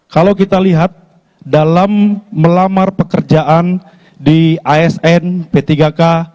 kalau kita lihat dalam melamar pekerjaan di asn p tiga k